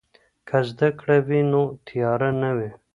که زده کړه وي نو تیاره نه وي.